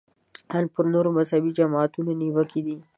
ان پر نورو مذهبي جماعتونو نیوکې دي.